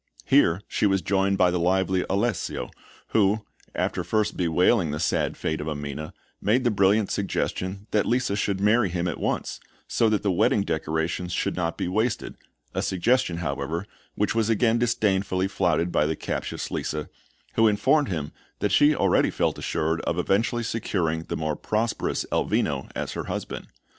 Here she was joined by the lively Alessio, who, after first bewailing the sad fate of Amina, made the brilliant suggestion that Lisa should marry him at once, so that the wedding decorations should not be wasted, a suggestion, however, which was again disdainfully flouted by the captious Lisa, who informed him that she already felt assured of eventually securing the more prosperous Elvino as a husband.